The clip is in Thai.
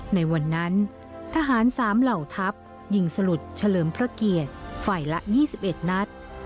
ในวันนั้นทหาร๓เหล่าทัพยิงสลุดเฉลิมพระเกียรติฝ่ายละ๒๑นัด